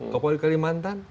kok di kalimantan